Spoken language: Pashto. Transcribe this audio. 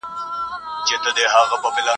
د بلبل بیه سوه لوړه تر زرګونو !.